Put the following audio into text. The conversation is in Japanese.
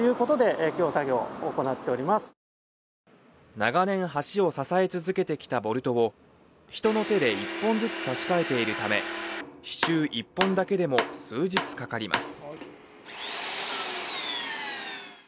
長年、橋を支え続けてきたボルトを人の手で１本ずつ差し替えているため支柱１本だけでも数日かかります。